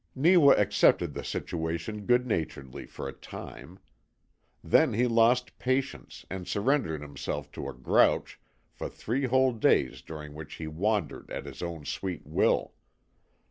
Neewa accepted the situation good naturedly for a time. Then he lost patience and surrendered himself to a grouch for three whole days during which he wandered at his own sweet will.